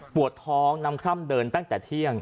ปวดท้องน้ำคร่ำเดินตั้งแต่เที่ยง